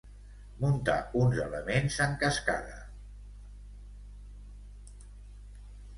Muntar uns elements en cascada.